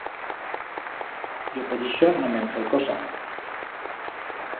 Yo per ixo no me'n foi cosa.